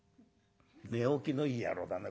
「寝起きのいい野郎だね